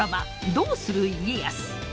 「どうする家康」。